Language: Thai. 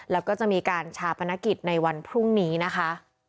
แล้วก็จะมีการชาปนกิจในวันพรุ่งนี้นะคะ